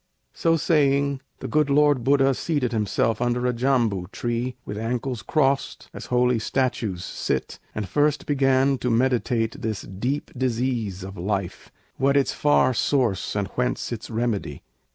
So saying, the good Lord Buddha seated him Under a jambu tree, with ankles crossed, As holy statues sit, and first began To meditate this deep disease of life, What its far source and whence its remedy.